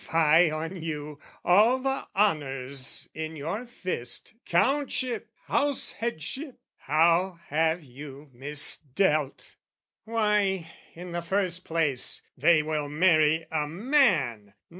"Fie on you, all the Honours in your fist, "Countship, Househeadship, how have you misdealt! "Why, in the first place, they will marry a man!